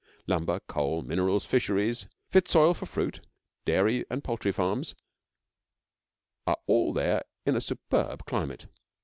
Lumber, coal, minerals, fisheries, fit soil for fruit, dairy, and poultry farms are all there in a superb climate.